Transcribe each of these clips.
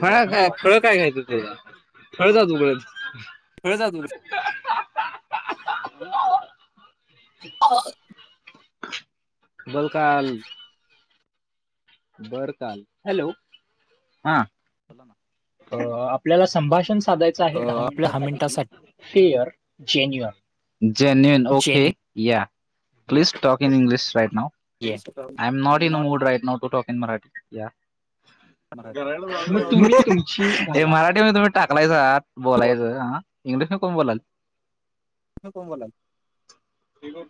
फळ काय फळ काय द्यायचं ते फळ जातोपर्यंत खेळ जा तु हो हो बोल काय झालं बरं काय हॅलो हा आपल्याला संभाषण साधायच आहे दहा मिनिटासाठी fear genuine genuine okay yeah please talk in English right now I am not in mood नाच टु टॉक इन मराठी मग तुमची मराठी म तुम्ही टाकलायसा बोलायचं मग इंग्लिश मध्ये कोण बोलणार तुम्ही कोण बोलताय हॅलो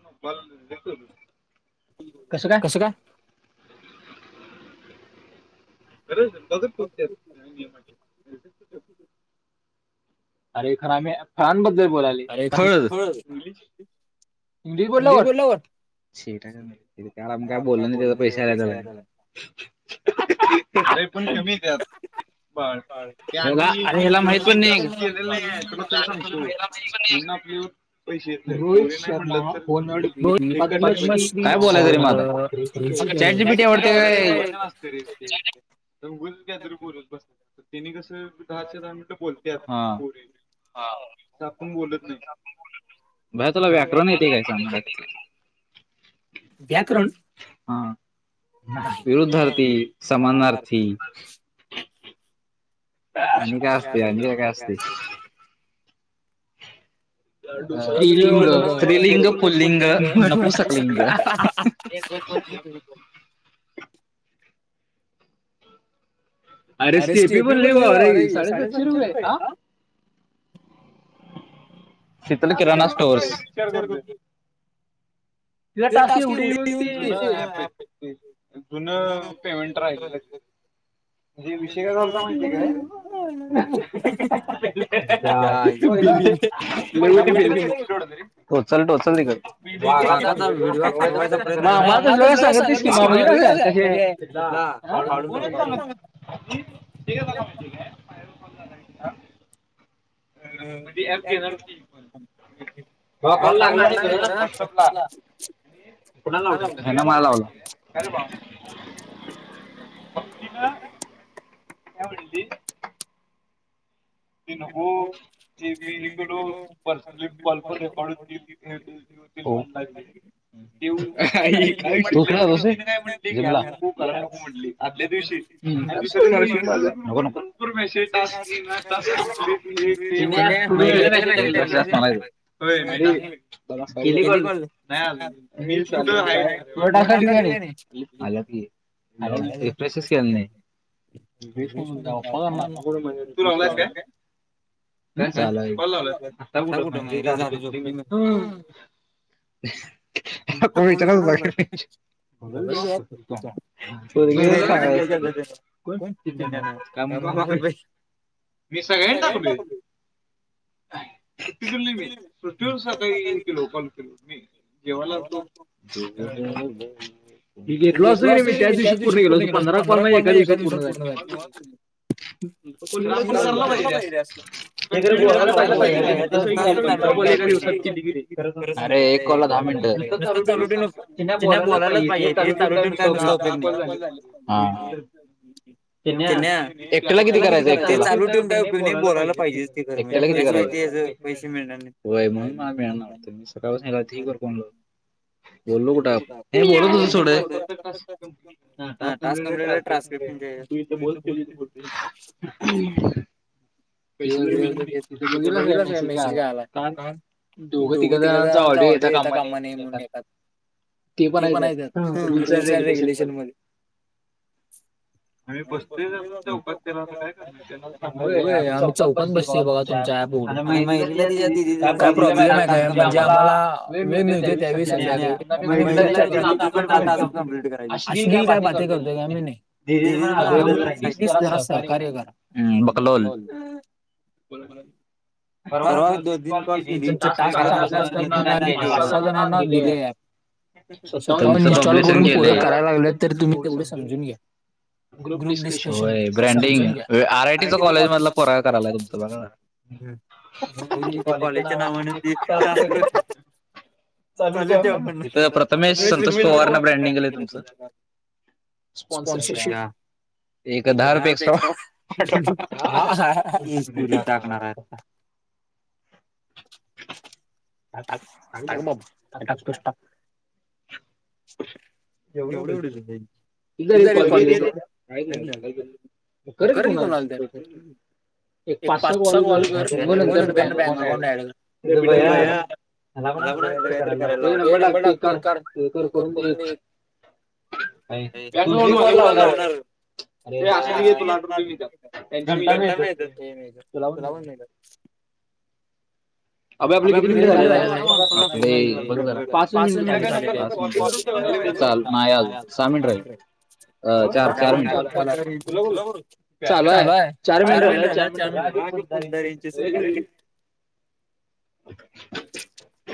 कसं काय बघा तुमच्या अरे खर मी फळांबद्दल बोलाली फळ इंग्लिश बोलल्यावर काल आम्ही काय बोललं नाही त्याचा पैसे आलं का नाही सांग पण तुम्ही त्यात बघ अरं त्याला माहित पण नाही केले नाही तुला सांगतो पैसे काय बोलायचं रे मग चॅटजीपिटी आवडते का भजन असत रे उगाचच कायतर बोलत बसत. दहाच्या दहा मिनिटं बोलत्यात पोरी. आपण बोलत नाही. [unintelligible] विरुद्धार्थी समानार्थी. आणि काय अस असते आणि काय काय असते. स्त्रिलिंग स्त्रीलिंगी पुल्लिंग नपुंसकलिंग. [unintelligible] अरे स्टेपी बनली हो अरे साडे सातशे रुपये हा शितल किराणा स्टोअर्स. तिला टास्क ऐवढे येऊन ती [unintelligible] [unintelligible] [unintelligible] [unintelligible] [unintelligible] अ म्हणजे ऍप घेणार होती पण मग कॉल लागला रे जरा व्हॉटसअपला कुठला आवडेल हम्म मला लावला. [unintelligible] [unintelligible] [unintelligible] [unintelligible] [unintelligible] नाही अजून तुला टास्क आल्यात की नाही आल्यात की. रिफ्रेशच केल नाही. [unintelligible] [unintelligible] [unintelligible] [unintelligible] [unintelligible] मी सगळ्यांना टाकलोय. [unintelligible] जेवला तु. मी घेतलो असतो कणी मी त्याच दिवशी पूर्ण केलो असतो पंधरा कॉल एका दिवसात पूर्ण झाली. [unintelligible] [unintelligible] [unintelligible] बर नुसता चालू ठेवू नकोसा बोलायलाच पाहिेजे रे ते चालू ठेऊ काय न अकरा कॉल झालेत माझे हा. एकट्याला किती करायचं एकट्याला त्याचा काय उपयोग नाही बोलायला पाहिजे की खरं व्हय म्हणून मला मिळेना वाटतं. [unintelligible] [unintelligible] म्हणजे तुही तर बोलते. इथं बघितला काय मॅसेज काय आलय आ. दोघं तिघा जणांचा ऑडिओ येता कामा नये म्हणून येतात. ते पण आहेत त्या रुल्स अँड रेग्युलेशन पण बसते ज चौकात केला काय करणार त्याला [unintelligible] होय आम्ही चौकात बसते बघा तुमच्या ऍप उघडून काय प्रॉब्लेम आहे का. ते आम्हाला वेळ मिळतंय त्यावेळीस मयरीला विचार किती दिवसात टास्क कंप्लीट करायचं असली काय बाते करतोय का आम्ही नाही दीदीच पण अर्धवट असते काम तीस जण असतात कार्याकाल हल परवा एक दोन तीन कॉल केलीत जे टास्क चांगले असतात पासा जणांना दिले स्वतः इन्स्टॉल करून पोरं करायला लागलेत तर तुम्ही तेवढ समजून घ्या ग्रुप डिस्कशन ब्रँडिंग आर आयटीच कॉलेज मधला पोरगा करायलाय तुला काय झालं मोठमोठ्या कॉलेजच्या नावाने ते चालू ठेवाण प्रथमे्रडंग [unintelligible] कॉन्सोसनायर एक दहा रुपये एक्स्ट्रा हा हा ही स्टोरी टाकणार आहे आता हा टाकं बाबा आताच टाकं एवढे एवढे कर की कुणाला तर एक पाच सहा कॉल कर म नंतर बॅन अकाउंट ऍड करया मला पण नाही तर करायला लागत नंबर लागते कर कर करून दे लाट बी [unintelligible] घटला नाहीेत तो लावून [unintelligible] अभ्या आपले किती मिनिट झाले आहे रे पाच मिनिट पा सहा मिनिट राहिल्यात [unintelligible] चालू आहे चार मिनिट झाले चार मिनिट [unintelligible] पंधर इंच [unintelligible]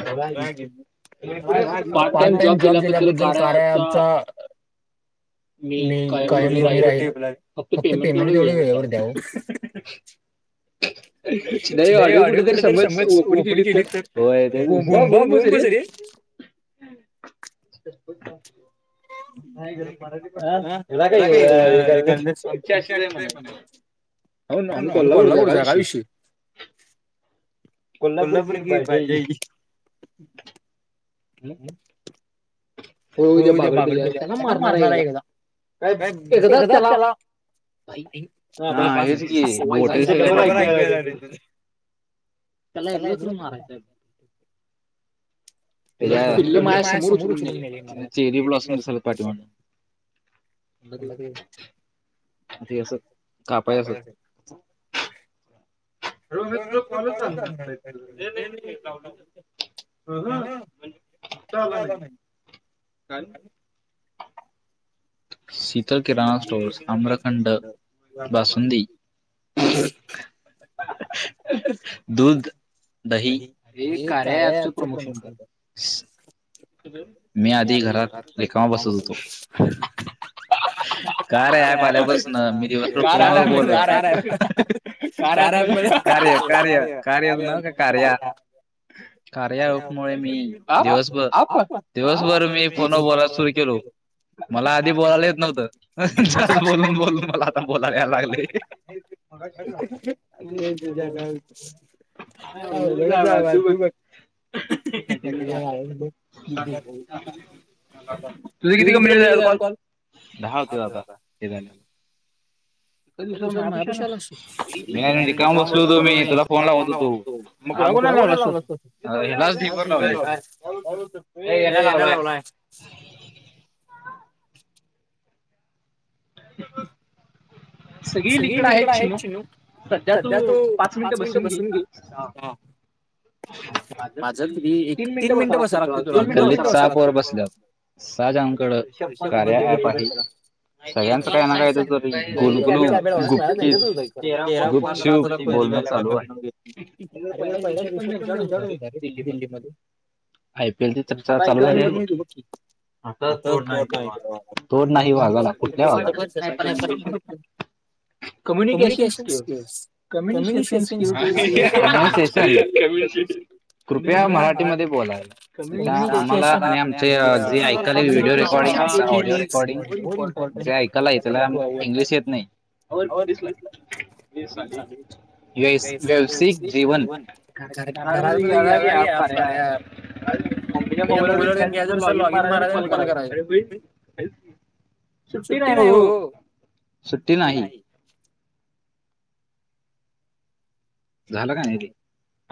आलाय आहे बी जी [unintelligible] पार्ट टाईम जॉब केल्याबद्दल कार्याचया मी काही नाही [unintelligible] फक्त पेमेंट तेवढे द्याव दयाव [unintelligible] [unintelligible] नाही ऑडिओ कुठ तरी समज ओपण केली तर [unintelligible] बोंबच आहे रे ब [unintelligible] नाही गर मराठी पण [unintelligible] हला काही इच्छा असली तर म्हणायच हा पण अ आम्ही कॉला जागा वि सी कोल्हापुरी भी भाषा आहे ही [unintelligible] होय द्या बागड बिले त्यांना मारणार आहे एकदा काय? एकदा त्याला ऐ हा बस की वाईज आहे इथे डबल ऐकू येणार आहे तुला चलायचन [unintelligible] पिल्ला पिल्ल माया समोरच [unintelligible] चेरी ब्लाॉस मध्ये सगळं पाठव मॅडम [unintelligible] ते अस कापाय असत फोनवर तुला कॉलचलागेना [unintelligible] ह ह म्हणजे महणता आला नाही कारण शीतल किराणा स्टोअर्स आम्रखंड बासुंदी [unintelligible] दही अरे कार्याच आजच प्रमोशन कर [unintelligible] मी आधी घरात रिकामा बसत होतो ह [unintelligible] [unintelligible] कार ऍप आ कार ऍप मध्ये [unintelligible] कार ऍप [unintelligible] कार ऍप मध्ये [unintelligible] कार्य कार्या [unintelligible] कार्यारोपमुळे मी अ दिवसभर आप अ दिवसभर मी पुन्हा बोलायला सुरू केलो मला आधी बोलायेत नव्हतं [unintelligible] बोलून बोलून मला आता बोलायला लागलं आज कसली [unintelligible] उद्या काय होते हा उघडचआहे वाजू बघ न [unintelligible] [unintelligible] तुझे किती कम्प्लिट झाले कॉल दहा होते आता ते झाले इतक्या दिवसापासून माया पाशी आला यार मी रिकाम बसल होतं मी तुला फोन लावत होतो मग [unintelligible] चला बसू लाव टेबल लाव एक लाव लवकर हे येना लावलाय [unintelligible] ह [unintelligible] सगळी विणकर आहे चिनू सध्या तू पाच मिनिटं बसून घे ह आता च मी तीन मिनिट बसा लागते दोन मिनिटं बसा लागते चहा प्यायला बसल्याव साऱ्यांकडे छप्पन कार्याल ॲप आहे [unintelligible] सगळ्याच काय ना काय [unintelligible] ही ईथ गोलगुली गुपचूप तेरा पॉईंट गुपचूप बोलण चालू आहे पहिल्याच दिवशी [unintelligible] रे दिल्ली मध्ये आयपीएल च चालू आहे असं तोड नाही त्या वाघाला तोड नाही वाघाला कुठल्या वागाला नाही [unintelligible] communication skills communication skills [unintelligible] commission कृपया मराठीमध्ये बोलावे कम्युनिकेशन आता आम्हाला आणि आमचे जे ऐकाले व्हिडिओ रेकॉर्डिंग आमचा ऑडिओ रेकॉर्डिंग जे ऐकायलाय त्याला इंग्लिश येत नाही व्यस व्यवसायिक जीवन करार मध्ये गेला कि ॲप कार्या च्या मोबाईल वरून घ्यायच तस लॉग इन मारायच आणि कॉल करायच सुट्टी नाही ओ! सुट्टी नाही झालं का नाही रे?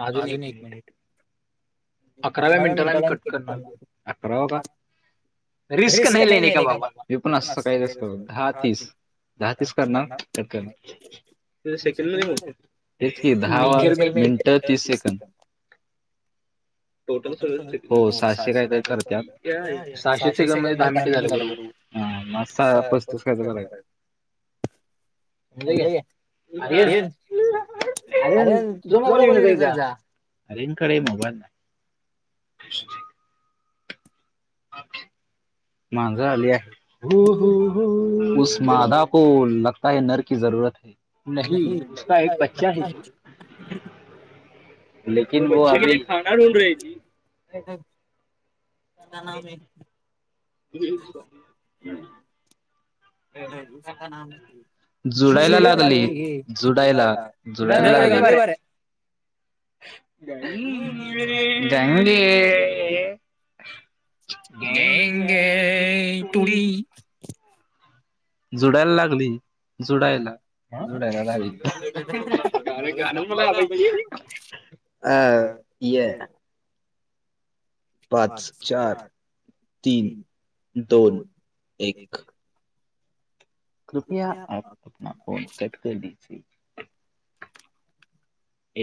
अजून एक मिनिट अकराव्या मिनिटाला मी कट करणार. अकरावा का? रिस्क नही लेणे का बाबा. मी पण असं सकाळी तेच करत होतो. हा तीस दहा तिस करणार. कट करणार. तेचि सेकंद लय मोठी आहेत. तेच की दहा दहा मिनिटं तीस सेकंद टोटल सगळ. हो सहाशे कायतरी करत्यात. सहाशे सेकंद म्हणजे दहा मिनटे झाले बरोबर हा म असं पस्तिस कायतर करायच बोल की आहे. साहिल तुझा मोबाईल घेऊन येजा की जा? अरे इकडे मोबाईल मांजर आल्या, [unintelligible] की जरूरत नहीं. उसका एक बच्चाा है जी. लेकीन ओ आके. खाना ढूंढ़ रहे है. ना आहे. हम् हम् अ हा जुडायला लागली. जुडायला जुडायला लागली. गली गंगली. गंग तूडी. जुडायला लागली. जुडायला जुडायला लागली. अरे गान म्हणायला आला की. अह ये. पाच. चार. तीन. दोन. एक. कृपया अँप अपना फोन कट कर दीजिये.